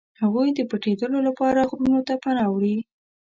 هغوی د پټېدلو لپاره غرونو ته پناه وړي.